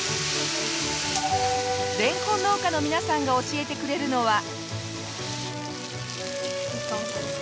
れんこん農家の皆さんが教えてくれるのは。